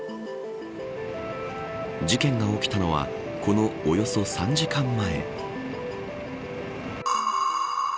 事件が起きたのはこのおよそ３時間前。